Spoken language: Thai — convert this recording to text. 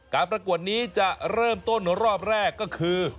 ประกวดนี้จะเริ่มต้นรอบแรกก็คือ